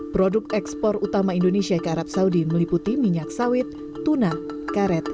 produk ekspor utama indonesia ke arab saudi meliputi minyak sawit tuna karet